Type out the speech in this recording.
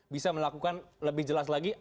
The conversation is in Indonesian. bisa melakukan lebih jelas lagi